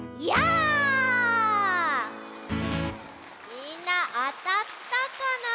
みんなあたったかな？